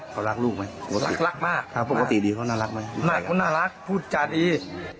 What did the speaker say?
เขารักลูกไหมรักมากปกติดีเขาน่ารักไหมน่ารักพูดจาดดี